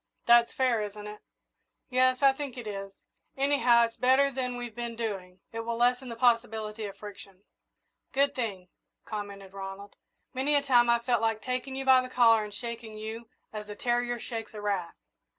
That's fair, isn't it?" "Yes, I think it is. Anyhow, it's better than we've been doing it will lessen the possibility of friction." "Good thing," commented Ronald. "Many a time I've felt like taking you by the collar and shaking you as a terrier shakes a rat."